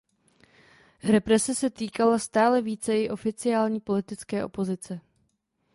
Represe se týkala stále více i oficiální politické opozice.